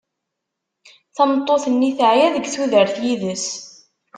Tameṭṭut-nni teɛya deg tudert yid-s.